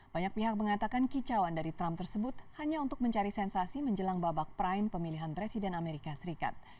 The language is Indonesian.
banyak pihak mengatakan kicauan dari trump tersebut hanya untuk mencari sensasi menjelang babak prime pemilihan presiden amerika serikat